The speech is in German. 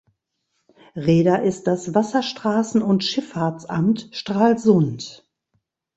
Reeder ist das Wasserstraßen- und Schifffahrtsamt Stralsund.